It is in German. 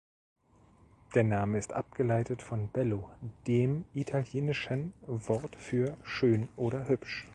Der Name ist abgeleitet von "bello", dem italienischen Wort für schön oder hübsch.